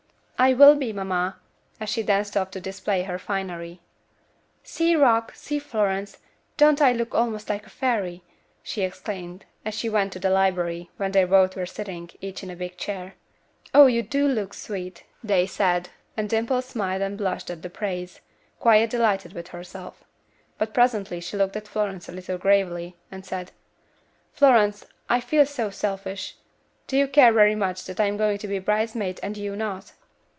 "I will be, mamma," and she danced off to display her finery. "See, Rock! See, Florence! Don't I look almost like a fairy?" she exclaimed, as she went into the library, where they both were sitting, each in a big chair. "Oh! you do look sweet!" they said, and Dimple smiled and blushed at the praise, quite delighted with herself; but presently she looked at Florence a little gravely, and said: "Florence, I feel so selfish. Do you care very much that I am to be a bridesmaid, and you not?"